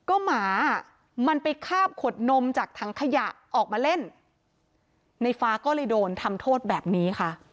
ออกมาเล่นในฟ้าก็เลยโดนทำโทษแบบนี้ค่ะ